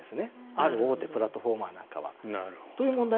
ある大手プラットフォーマーなんかは。